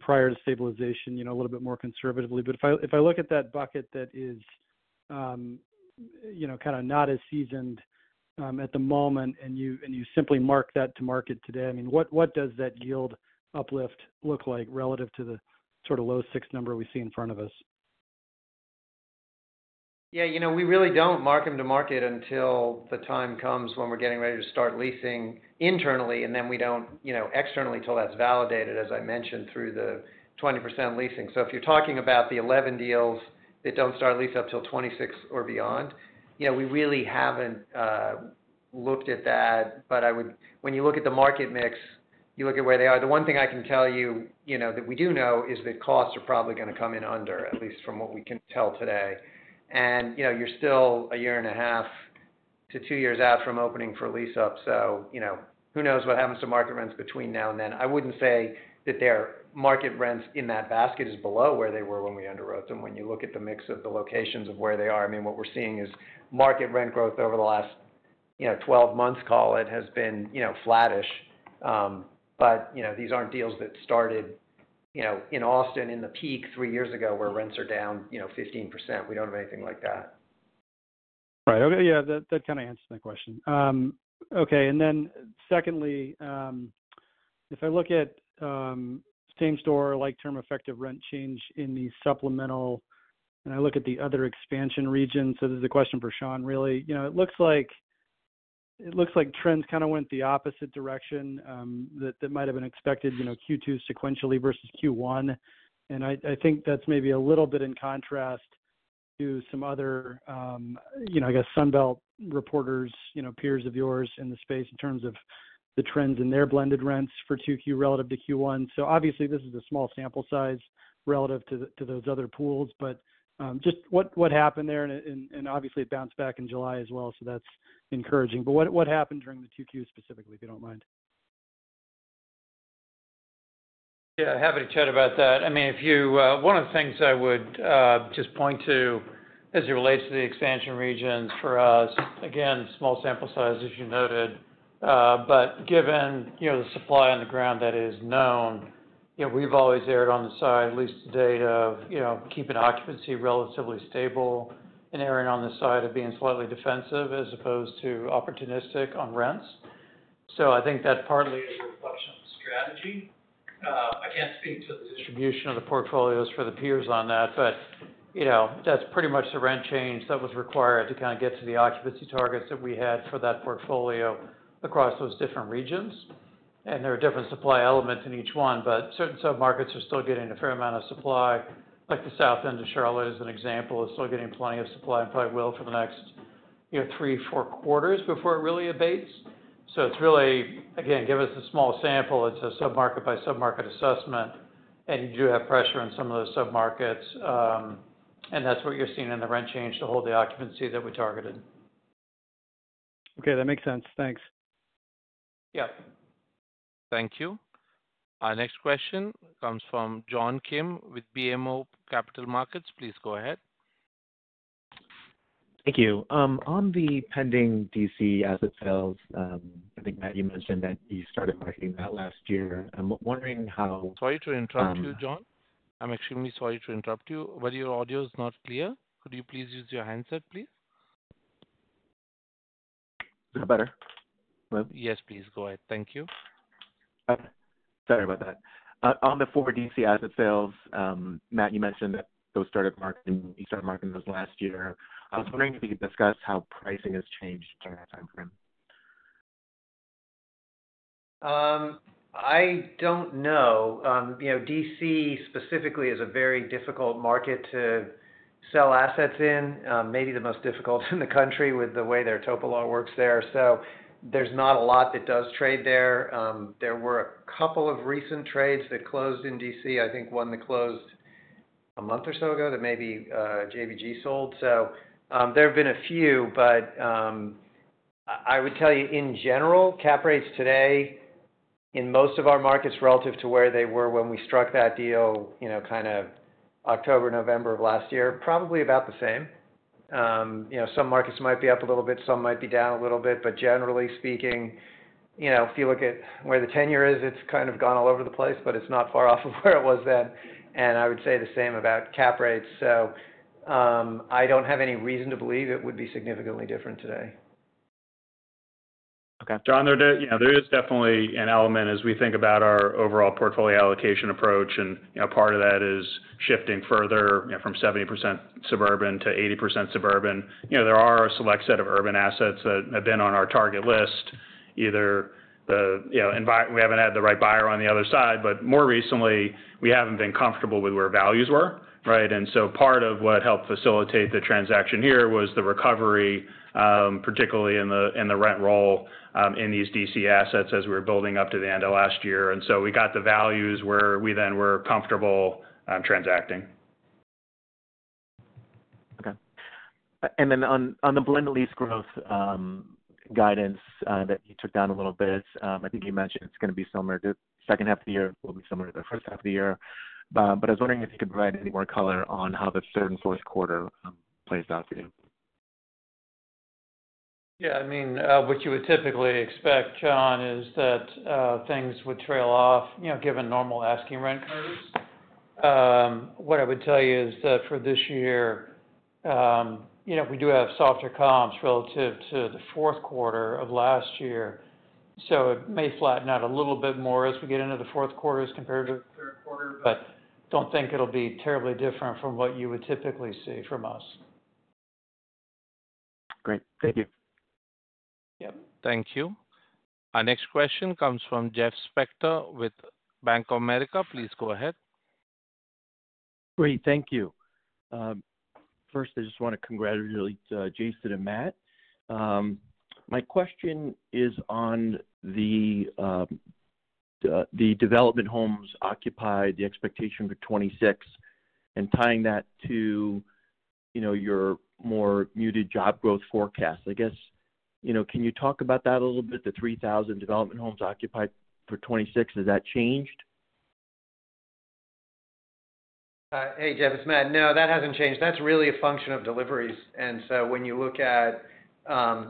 prior to stabilization a little bit more conservatively. If I look at that bucket that is kind of not as seasoned at the moment and you simply mark that to market today, what does that yield uplift look like relative to the sort of low 6% number we see in front of us? Yeah. We really don't mark them to market until the time comes when we're getting ready to start leasing internally, and then we don't externally until that's validated, as I mentioned, through the 20% leasing. If you're talking about the 11 deals that don't start lease-up until 2026 or beyond, we really haven't looked at that. When you look at the market mix, you look at where they are. The one thing I can tell you that we do know is that costs are probably going to come in under, at least from what we can tell today. You're still 1.5-2 ears out from opening for lease-up. Who knows what happens to market rents between now and then? I wouldn't say that their market rents in that basket are below where they were when we underwrote them. When you look at the mix of the locations of where they are, what we're seeing is market rent growth over the last 12 months, call it, has been flattish. These aren't deals that started in Austin in the peak three years ago where rents are down 15%. We don't have anything like that. Right. Okay. Yeah. That kind of answers my question. Okay. If I look at same store, like term effective rent change in the supplemental, and I look at the other expansion region, this is a question for Sean, really. It looks like trends kind of went the opposite direction that might have been expected, Q2 sequentially versus Q1. I think that's maybe a little bit in contrast to some other, I guess, Sun Belt reporters, peers of yours in the space in terms of the trends in their blended rents for Q2 relative to Q1. Obviously, this is a small sample size relative to those other pools, but just what happened there? Obviously, it bounced back in July as well, so that's encouraging. What happened during the Q2 specifically, if you don't mind? Yeah. Happy to chat about that. One of the things I would just point to as it relates to the expansion regions for us, again, small sample size, as you noted. Given the supply on the ground that is known, we've always erred on the side, at least to date, of keeping occupancy relatively stable and erring on the side of being slightly defensive as opposed to opportunistic on rents. I think that partly is a reflection of the strategy. I can't speak to the distribution of the portfolios for the peers on that, but that's pretty much the rent change that was required to kind of get to the occupancy targets that we had for that portfolio across those different regions. There are different supply elements in each one, but certain submarkets are still getting a fair amount of supply. Like the south end of Charlotte, as an example, is still getting plenty of supply and probably will for the next three, four quarters before it really abates. It's really, again, given a small sample, a submarket by submarket assessment, and you do have pressure on some of those submarkets. That's what you're seeing in the rent change to hold the occupancy that we targeted. Okay, that makes sense. Thanks. Yeah. Thank you. Our next question comes from John Kim with BMO Capital Markets. Please go ahead. Thank you. On the pending D.C. asset sales, I think Matt, you mentioned that you started marketing that last year. I'm wondering how. Sorry to interrupt you, John. I'm extremely sorry to interrupt you. Could you please use your handset, please? Your audio is not clear. Is that better? Yes, please go ahead. Thank you. Sorry about that. On the four D.C. asset sales, Matt, you mentioned that you started marketing those last year. I was wondering if you could discuss how pricing has changed during that time frame. I don't know. D.C. specifically is a very difficult market to sell assets in, maybe the most difficult in the country with the way their TOPA law works there. There's not a lot that does trade there. There were a couple of recent trades that closed in D.C.. I think one that closed a month or so ago that maybe JBG sold. There have been a few, but I would tell you, in general, cap rates today in most of our markets relative to where they were when we struck that deal, kind of October, November of last year, are probably about the same. Some markets might be up a little bit, some might be down a little bit, but generally speaking, if you look at where the 10-year is, it's kind of gone all over the place, but it's not far off of where it was then. I would say the same about cap rates. I don't have any reason to believe it would be significantly different today. Okay. John, there is definitely an element as we think about our overall portfolio allocation approach, and part of that is shifting further from 70% suburban to 80% suburban. There are a select set of urban assets that have been on our target list. Either we haven't had the right buyer on the other side, but more recently, we haven't been comfortable with where values were, right? Part of what helped facilitate the transaction here was the recovery, particularly in the rent roll in these D.C. assets as we were building up to the end of last year. We got the values where we then were comfortable transacting. Okay. On the blended lease growth guidance that you took down a little bit, I think you mentioned it's going to be somewhere in the second half of the year, will be somewhere in the first half of the year. I was wondering if you could provide any more color on how the third and fourth quarter plays out for you. Yeah. I mean, what you would typically expect, John, is that things would trail off given normal asking rent curves. What I would tell you is that for this year, we do have softer comps relative to the fourth quarter of last year. It may flatten out a little bit more as we get into the fourth quarter as compared to the third quarter, but I don't think it'll be terribly different from what you would typically see from us. Great. Thank you. Yep. Thank you. Our next question comes from Jeff Spector with Bank of America. Please go ahead. Great. Thank you. First, I just want to congratulate Jason and Matt. My question is on the development homes occupied, the expectation for 2026, and tying that to your more muted job growth forecast. I guess, can you talk about that a little bit, the 3,000 development homes occupied for 2026? Has that changed? Hey, Jeff, it's Matt. No, that hasn't changed. That's really a function of deliveries. When you look at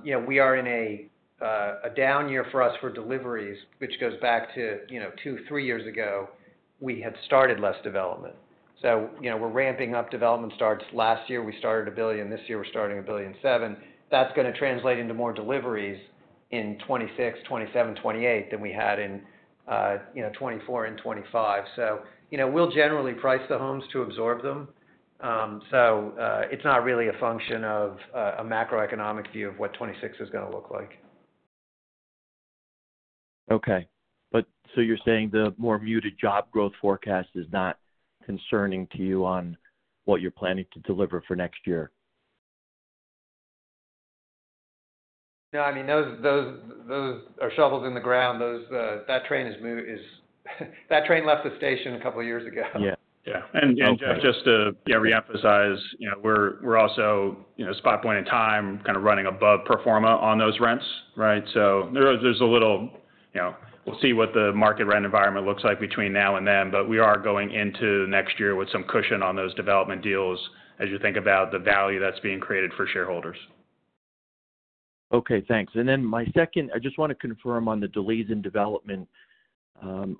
it, we are in a down year for us for deliveries, which goes back to two, three years ago, we had started less development. We're ramping up development starts. Last year, we started $1 billion. This year, we're starting $1.7 billion. That's going to translate into more deliveries in 2026, 2027, 2028 than we had in 2024 and 2025. We'll generally price the homes to absorb them. It's not really a function of a macroeconomic view of what 2026 is going to look like. Okay, you're saying the more muted job growth forecast is not concerning to you on what you're planning to deliver for next year? No, I mean, those are shovels in the ground. That train has left the station a couple of years ago. Yeah. Just to reemphasize, we're also, at this point in time, kind of running above pro forma on those rents, right? We'll see what the market rent environment looks like between now and then, but we are going into next year with some cushion on those development deals as you think about the value that's being created for shareholders. Okay. Thanks. My second, I just want to confirm on the delays in development.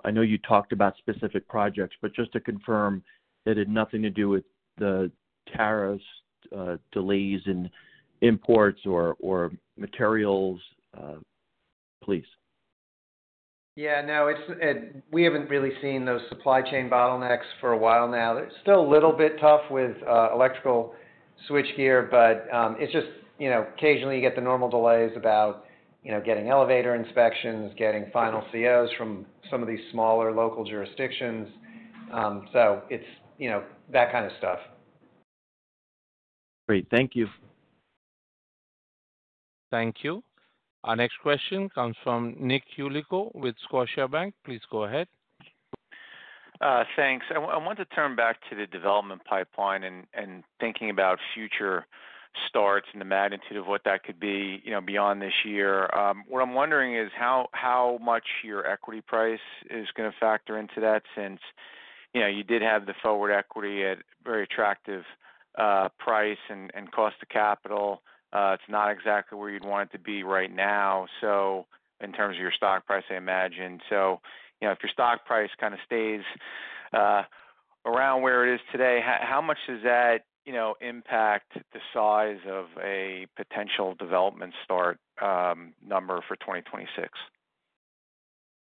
I know you talked about specific projects, just to confirm, that had nothing to do with the tariffs, delays in imports, or materials. Please. Yeah. No. We haven't really seen those supply chain bottlenecks for a while now. They're still a little bit tough with electrical switchgear, but it's just occasionally you get the normal delays about getting elevator inspections, getting final COs from some of these smaller local jurisdictions. It's that kind of stuff. Great, thank you. Thank you. Our next question comes from Nick Yulico with Scotiabank. Please go ahead. Thanks. I want to turn back to the development pipeline and thinking about future starts and the magnitude of what that could be beyond this year. What I'm wondering is how much your equity price is going to factor into that since you did have the forward equity at a very attractive price and cost of capital. It's not exactly where you'd want it to be right now, so in terms of your stock price, I imagine. If your stock price kind of stays around where it is today, how much does that impact the size of a potential development start number for 2026?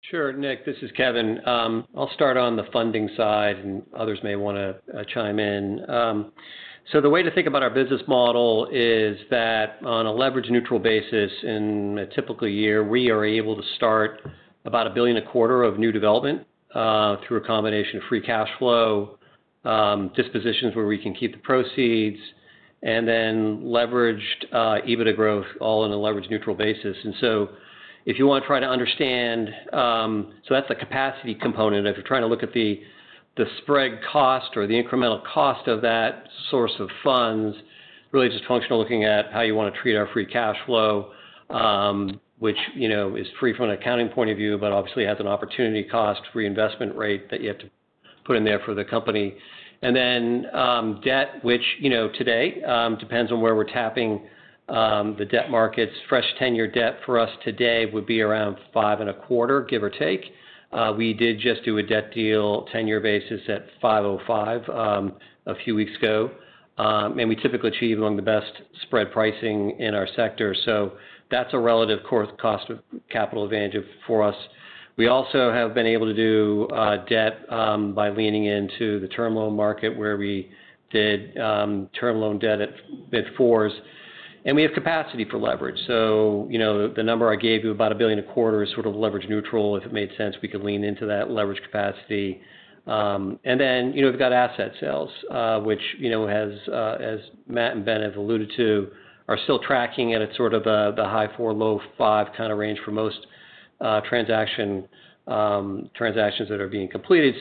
Sure. Nick, this is Kevin. I'll start on the funding side, and others may want to chime in. The way to think about our business model is that on a leverage-neutral basis, in a typical year, we are able to start about $1 billion a quarter of new development through a combination of free cash flow, dispositions where we can keep the proceeds, and then leveraged EBITDA growth, all on a leverage-neutral basis. If you want to try to understand, that's the capacity component. If you're trying to look at the spread cost or the incremental cost of that source of funds, really just functionally looking at how you want to treat our free cash flow, which is free from an accounting point of view, but obviously has an opportunity cost reinvestment rate that you have to put in there for the company. Debt, which today depends on where we're tapping the debt markets. Fresh ten-year debt for us today would be around 5.25%, give or take. We did just do a debt deal ten-year basis at 5.05% a few weeks ago, and we typically achieve among the best spread pricing in our sector. That's a relative cost of capital advantage for us. We also have been able to do debt by leaning into the term loan market where we did term loan debt at 4%, and we have capacity for leverage. The number I gave you, about $1 billion a quarter, is sort of leverage neutral. If it made sense, we could lean into that leverage capacity. We've got asset sales, which, as Matt and Ben have alluded to, are still tracking at sort of the high 4%, low 5% kind of range for most transactions that are being completed.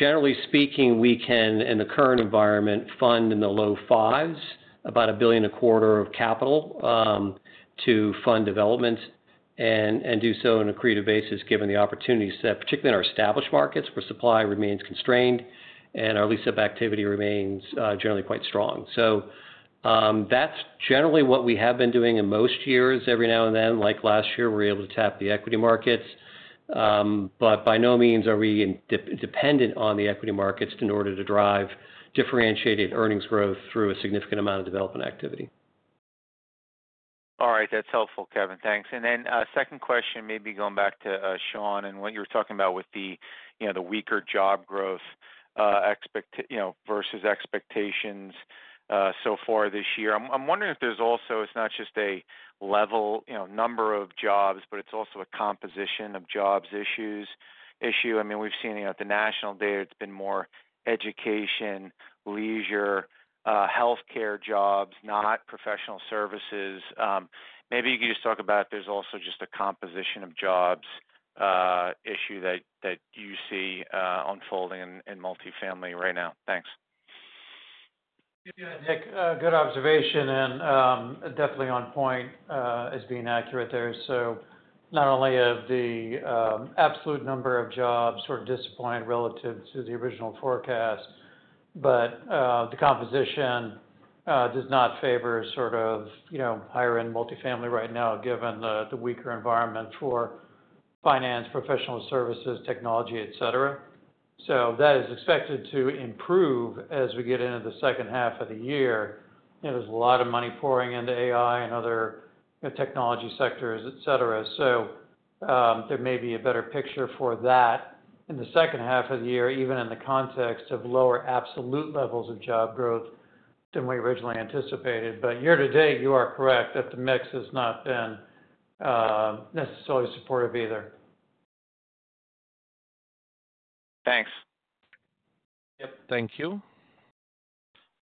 Generally speaking, we can, in the current environment, fund in the low 5%, about $1 billion a quarter of capital to fund development and do so on a creative basis given the opportunities that, particularly in our established markets, where supply remains constrained and our lease-up activity remains generally quite strong. That's generally what we have been doing in most years. Every now and then, like last year, we were able to tap the equity markets. By no means are we dependent on the equity markets in order to drive differentiated earnings growth through a significant amount of development activity. All right. That's helpful, Kevin. Thanks. Second question, maybe going back to Sean and what you were talking about with the weaker job growth versus expectations so far this year. I'm wondering if there's also, it's not just a level number of jobs, but it's also a composition of jobs issues. I mean, we've seen at the national data, it's been more education, leisure, healthcare jobs, not professional services. Maybe you could just talk about if there's also just a composition of jobs issue that you see unfolding in multifamily right now. Thanks. Yeah. Nick, good observation. Definitely on point as being accurate there. Not only have the absolute number of jobs sort of disappointed relative to the original forecast, but the composition does not favor sort of higher-end multifamily right now given the weaker environment for finance, professional services, technology, etc. That is expected to improve as we get into the second half of the year. There's a lot of money pouring into AI and other technology sectors, etc. There may be a better picture for that in the second half of the year, even in the context of lower absolute levels of job growth than we originally anticipated. Year to date, you are correct that the mix has not been necessarily supportive either. Thanks. Thank you.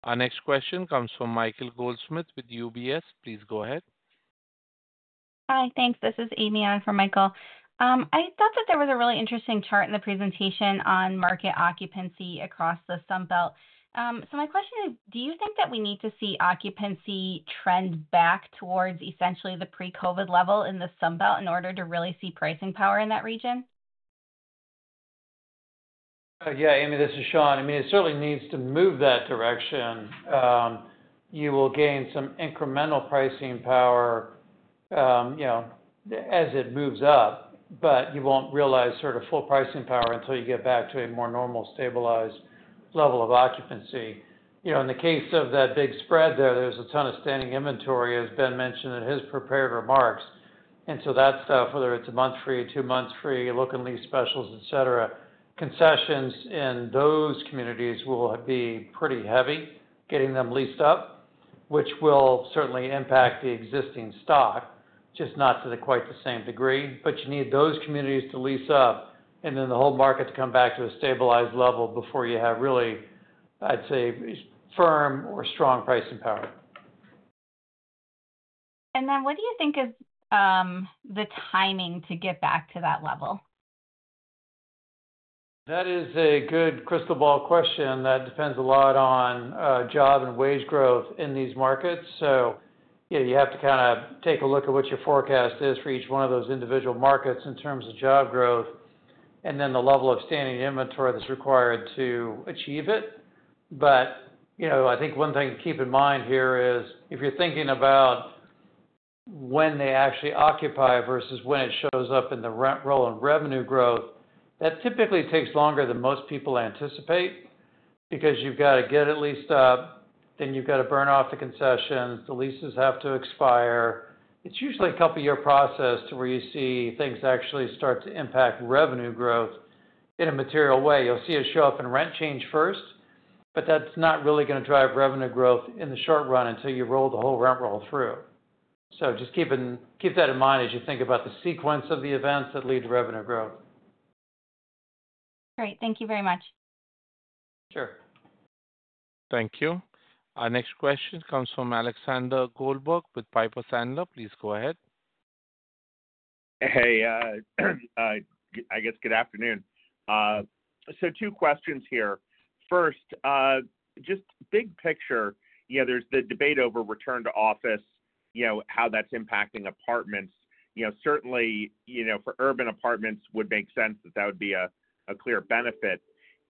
Our next question comes from Michael Goldsmith with UBS. Please go ahead. Hi. Thanks. This is Amy on for Michael. I thought that there was a really interesting chart in the presentation on market occupancy across the Sun Belt. My question is, do you think that we need to see occupancy trend back towards essentially the pre-COVID level in the Sun Belt in order to really see pricing power in that region? Yeah. Amy, this is Sean. I mean, it certainly needs to move that direction. You will gain some incremental pricing power as it moves up, but you won't realize sort of full pricing power until you get back to a more normal, stabilized level of occupancy. In the case of that big spread there, there's a ton of standing inventory, as Ben mentioned in his prepared remarks. That stuff, whether it's a month free, two months free, looking lease specials, etc., concessions in those communities will be pretty heavy getting them leased up, which will certainly impact the existing stock, just not to quite the same degree. You need those communities to lease up and then the whole market to come back to a stabilized level before you have really, I'd say, firm or strong pricing power. What do you think is the timing to get back to that level? That is a good crystal ball question. That depends a lot on job and wage growth in these markets. You have to kind of take a look at what your forecast is for each one of those individual markets in terms of job growth and then the level of standing inventory that's required to achieve it. I think one thing to keep in mind here is if you're thinking about when they actually occupy versus when it shows up in the rental and revenue growth, that typically takes longer than most people anticipate because you've got to get it leased up, then you've got to burn off the concessions, the leases have to expire. It's usually a couple-year process to where you see things actually start to impact revenue growth in a material way. You'll see it show up in rent change first, but that's not really going to drive revenue growth in the short run until you roll the whole rent roll through. Just keep that in mind as you think about the sequence of the events that lead to revenue growth. Great, thank you very much. Sure. Thank you. Our next question comes from Alexander Goldberg with Piper Sandler. Please go ahead. Good afternoon. Two questions here. First, just big picture, there's the debate over return to office, how that's impacting apartments. Certainly, for urban apartments, it would make sense that that would be a clear benefit.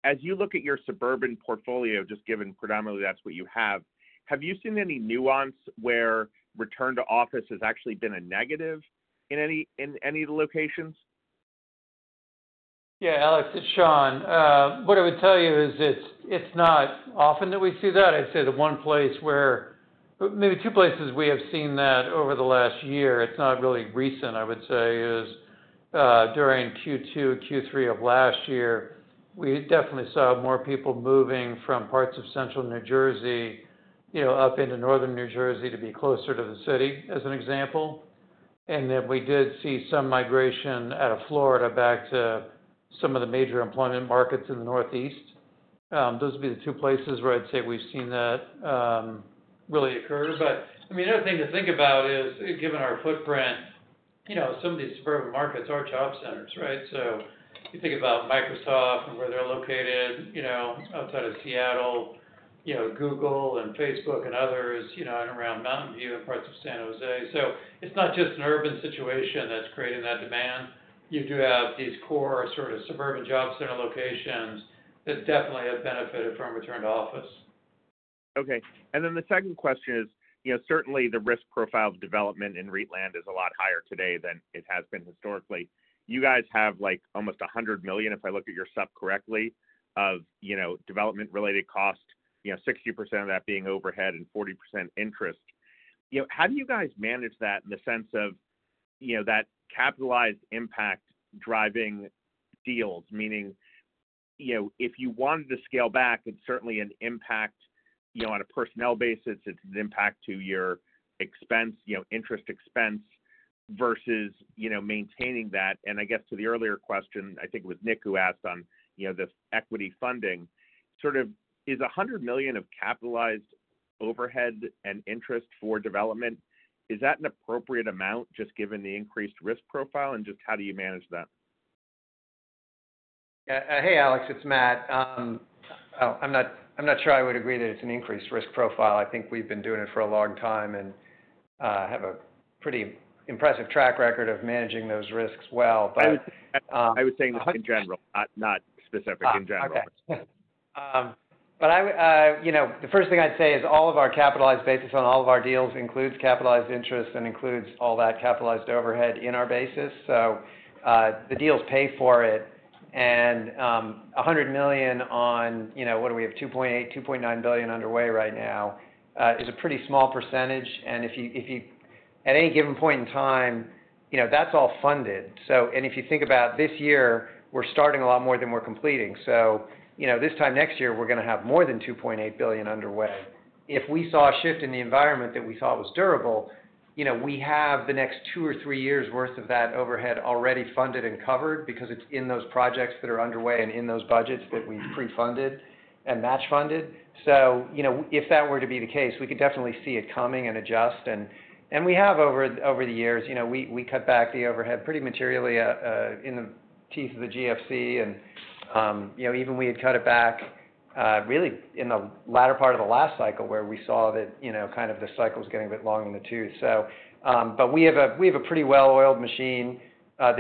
As you look at your suburban portfolio, just given predominantly that's what you have, have you seen any nuance where return to office has actually been a negative in any of the locations? Yeah. Alex, it's Sean, what I would tell you is it's not often that we see that. I'd say the one place where maybe two places we have seen that over the last year, it's not really recent, I would say, is during Q2, Q3 of last year, we definitely saw more people moving from parts of central New Jersey up into northern New Jersey to be closer to the city, as an example. We did see some migration out of Florida back to some of the major employment markets in the northeast. Those would be the two places where I'd say we've seen that really occur. Another thing to think about is, given our footprint, some of these suburban markets are job centers, right? You think about Microsoft and where they're located outside of Seattle, Google and Facebook and others around Mountain View and parts of San Jose. It's not just an urban situation that's creating that demand. You do have these core sort of suburban job center locations that definitely have benefited from return to office. Okay. The second question is, certainly the risk profile of development in REIT land is a lot higher today than it has been historically. You guys have almost $100 million, if I look at your sub correctly, of development-related cost, 60% of that being overhead and 40% interest. How do you guys manage that in the sense of that capitalized impact driving deals? Meaning, if you wanted to scale back, it's certainly an impact on a personnel basis. It's an impact to your expense, interest expense versus maintaining that. I guess to the earlier question, I think it was Nick who asked on the equity funding, sort of is $100 million of capitalized overhead and interest for development, is that an appropriate amount just given the increased risk profile and just how do you manage that? Hey, Alex, it's Matt. I'm not sure I would agree that it's an increased risk profile. I think we've been doing it for a long time and have a pretty impressive track record of managing those risks well. I was saying this in general, not specific, in general. The first thing I'd say is all of our capitalized basis on all of our deals includes capitalized interest and includes all that capitalized overhead in our basis. The deals pay for it. $100 million on, what do we have, $2.8 billion, $2.9 billion underway right now is a pretty small percentage. If you at any given point in time, that's all funded. If you think about this year, we're starting a lot more than we're completing. This time next year, we're going to have more than $2.8 billion underway. If we saw a shift in the environment that we thought was durable, we have the next two or three years' worth of that overhead already funded and covered because it's in those projects that are underway and in those budgets that we've pre-funded and match-funded. If that were to be the case, we could definitely see it coming and adjust. We have over the years, we cut back the overhead pretty materially in the teeth of the GFC. Even we had cut it back really in the latter part of the last cycle where we saw that kind of the cycle was getting a bit long in the tooth. We have a pretty well-oiled machine that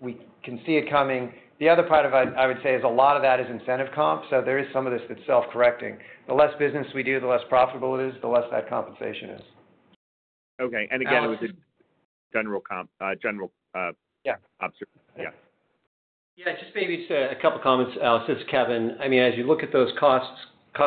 we can see it coming. The other part of it, I would say, is a lot of that is incentive comp. There is some of this that's self-correcting. The less business we do, the less profitable it is, the less that compensation is. Okay, it was a general observation. Yeah. Just maybe to a couple of comments, Alex, this is Kevin. I mean, as you look at those cost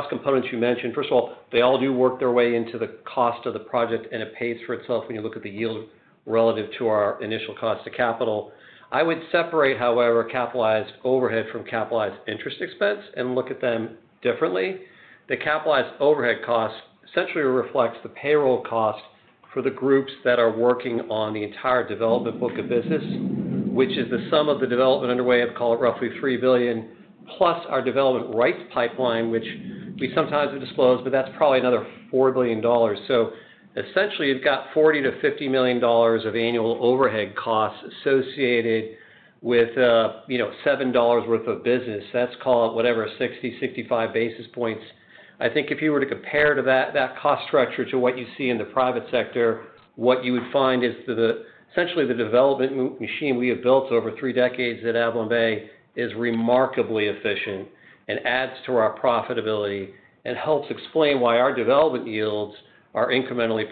components you mentioned, first of all, they all do work their way into the cost of the project, and it pays for itself when you look at the yield relative to our initial cost to capital. I would separate, however, capitalized overhead from capitalized interest expense and look at them differently. The capitalized overhead cost essentially reflects the payroll cost for the groups that are working on the entire development book of business, which is the sum of the development underway of, call it roughly $3 billion+ our development rights pipeline, which we sometimes disclose, but that's probably another $4 billion. Essentially, you've got $40 million-$50 million of annual overhead costs associated with $7 billion worth of business. Let's call it, whatever, 60, 65 basis points. I think if you were to compare that cost structure to what you see in the private sector, what you would find is essentially the development machine we have built over three decades at AvalonBay is remarkably efficient and adds to our profitability and helps explain why our development yields are incrementally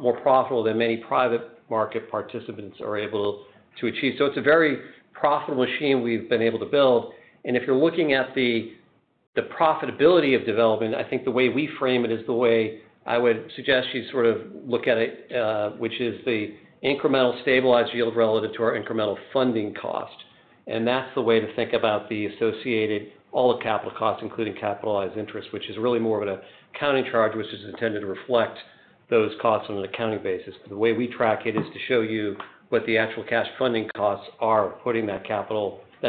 more profitable than many private market participants are able to achieve. It's a very profitable machine we've been able to build. If you're looking at the profitability of development, I think the way we frame it is the way I would suggest you sort of look at it, which is the incremental stabilized yield relative to our incremental funding cost. That's the way to think about the associated all of capital costs, including capitalized interest, which is really more of an accounting charge, which is intended to reflect those costs on an accounting basis. The way we track it is to show you what the actual cash funding costs are putting that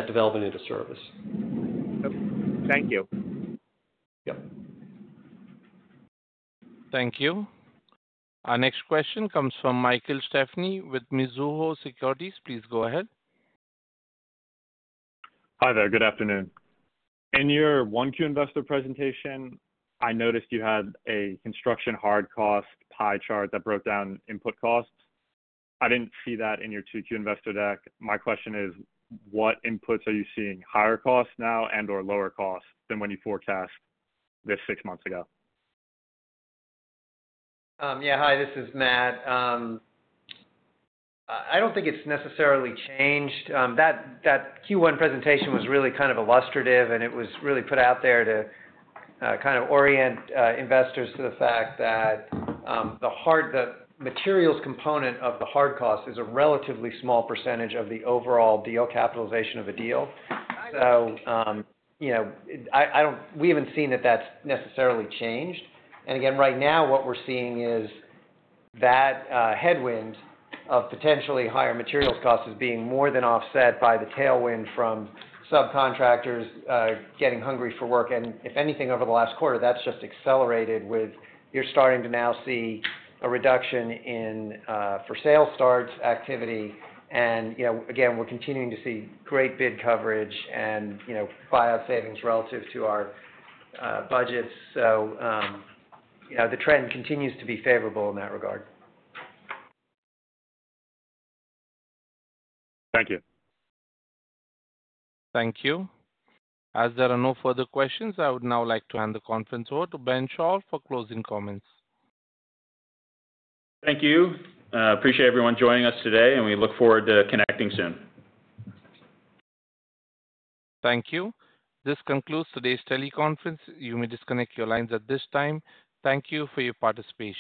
development into service. Thank you. Yep. Thank you. Our next question comes from Michael Stefany with Mizuho Securities. Please go ahead. Hi there. Good afternoon. In your Q1 Investor presentation, I noticed you had a construction hard cost pie chart that broke down input costs. I didn't see that in your Q2 Investor deck. My question is, what inputs are you seeing? Higher costs now and/or lower costs than when you forecast this six months ago? Yeah. Hi, this is Matt. I don't think it's necessarily changed. That Q1 presentation was really kind of illustrative, and it was really put out there to kind of orient investors to the fact that the materials component of the hard cost is a relatively small percentage of the overall deal capitalization of a deal. We haven't seen that that's necessarily changed. Again, right now, what we're seeing is that headwind of potentially higher materials costs is being more than offset by the tailwind from subcontractors getting hungry for work. If anything, over the last quarter, that's just accelerated with you're starting to now see a reduction in for sale starts activity. Again, we're continuing to see great bid coverage and buyout savings relative to our budgets. The trend continues to be favorable in that regard. Thank you. Thank you. As there are no further questions, I would now like to hand the conference over to Benjamin Schall for closing comments. Thank you. Appreciate everyone joining us today, and we look forward to connecting soon. Thank you. This concludes today's teleconference. You may disconnect your lines at this time. Thank you for your participation.